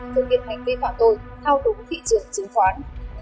thông tin hành vi phạm tội thao đúng thị trường chứng khoán